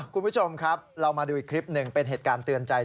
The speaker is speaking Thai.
คุณผู้ชมครับเรามาดูอีกคลิปหนึ่งเป็นเหตุการณ์เตือนใจ